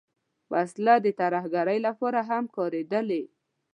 وسله د ترهګرۍ لپاره هم کارېدلې